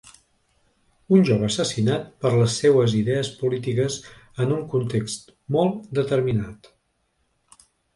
Un jove assassinat per les seues idees polítiques en un context molt determinat.